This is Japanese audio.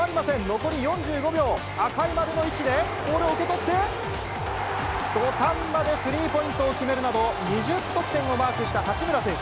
残り４５秒、赤い丸の位置でボールを受け取って、土壇場でスリーポイントを決めるなど、２０得点をマークした八村選手。